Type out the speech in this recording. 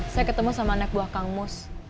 saya ketemu sama anak buah kang mus